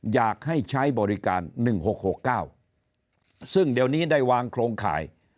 อยากให้ใช้บริการหนึ่งหกหกเก้าซึ่งเดี๋ยวนี้ได้วางโครงข่าย